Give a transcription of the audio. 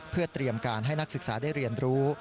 เพื่อเตรียมการให้นักศึกษาได้เรียนรู้